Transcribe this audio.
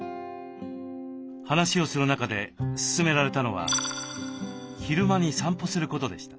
話をする中で勧められたのは昼間に散歩することでした。